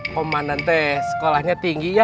komandante sekolahnya tinggi ya